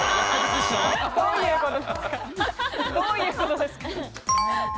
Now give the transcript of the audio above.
どういうことですか？